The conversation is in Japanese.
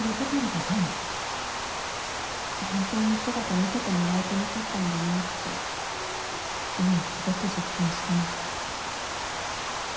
本当の姿見せてもらえてなかったんだなって今すごく実感してます。